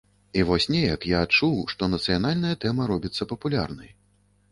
І вось неяк я адчуў, што нацыянальная тэма робіцца папулярнай.